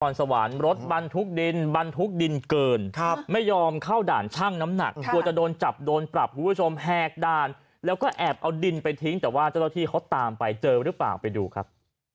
รถบรรทุกดินบรรทุกดินเกินไม่ยอมเข้าด่านช่างน้ำหนักกลัวจะโดนจับโดนปรับคุณผู้ชมแหกด่านแล้วก็แอบเอาดินไปทิ้งแต่ว่าเจ้าหน้าที่เขาตามไปเจอหรือเปล่าไปดูครับ